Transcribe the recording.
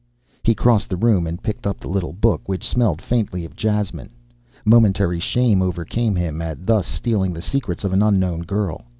He crossed the room and picked up the little book, which smelled faintly of jasmine. Momentary shame overcame him at thus stealing the secrets of an unknown girl.